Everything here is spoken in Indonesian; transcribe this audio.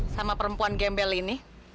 sama perempuan gembel ini